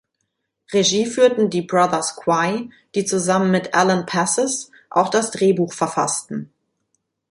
Regie führten die Brothers Quay, die zusammen mit Alan Passes auch das Drehbuch verfassten.